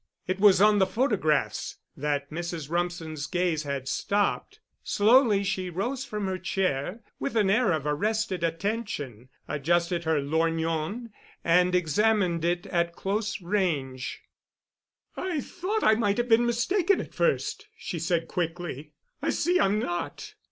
It was on the photographs that Mrs. Rumsen's gaze had stopped. Slowly she rose from her chair, with an air of arrested attention, adjusted her lorgnon, and examined it at close range. "I thought I might have been mistaken at first," she said quickly. "I see I'm not.